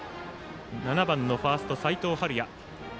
７番のファースト齋藤敏哉。